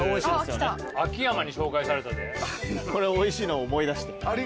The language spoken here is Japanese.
これおいしいの思い出して。